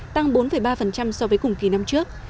tăng bốn ba so với cùng kỳ năm trước